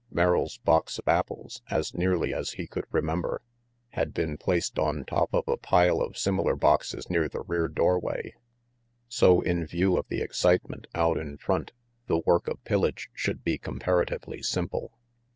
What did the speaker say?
Merrill's box of apples, as nearly as he could remember, had been placed on top of a pile of similar boxes near the rear doorway, so in view of the excite ment out in front, the work of pillage should be comparatively simple.